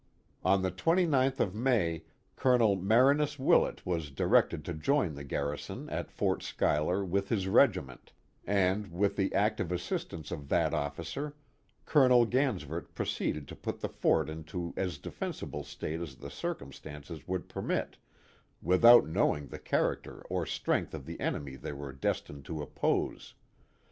On the 29th of May, Colonel Marinus Willett was directed to join the garrison at Fort Schuyler with his regiment, and, with the active assistance of that officer, Colonel Gansevoort proceeded to put the fort into as defensible state as the circumstances would permit without knowing the character or strength of the enemy they were destined to oppose.